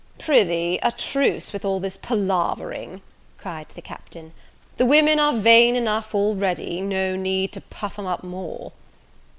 "Pr'ythee, a truce with all this palavering," cried the Captain: "the women are vain enough already; no need for to puff 'em up more."